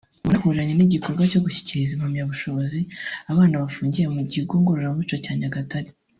wanahuriranye n’igikorwa cyo gushyikiriza impamyabushobozi abana bafungiye mu kigo Ngororamuco cya Nyagatare